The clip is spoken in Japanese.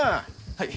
はい。